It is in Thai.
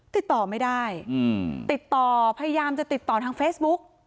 ติดต่อไม่ได้ติดต่อพยายามจะติดต่อทางเฟซบุ๊ก